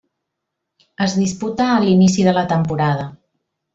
Es disputa a l'inici de la temporada.